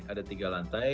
ada tiga lantai